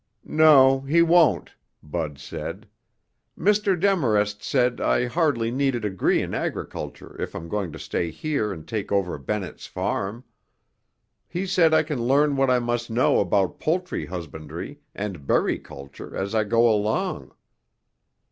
"No he won't," Bud said. "Mr. Demarest said I hardly need a degree in agriculture if I'm going to stay here and take over Bennett's Farm. He said I can learn what I must know about poultry husbandry and berry culture as I go along."